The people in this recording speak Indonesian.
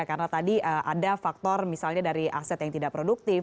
karena tadi ada faktor misalnya dari aset yang tidak produktif